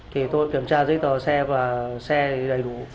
thì tôi kiểm tra giấy tờ xe và xe thì đầy đủ